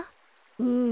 うん。